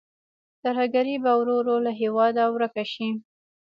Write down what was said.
ترهګري به ورو ورو له هېواده ورکه شي.